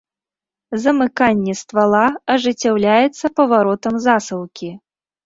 Замыканне ствала ажыццяўляецца паваротам засаўкі.